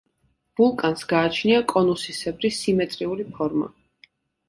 ვულკანს გააჩნია კონუსისებრი, სიმეტრიული ფორმა.